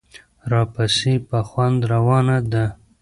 راپسې په خوند روانه ده.